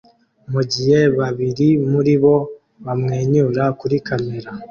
mugihe babiri muri bo bamwenyura kuri kamera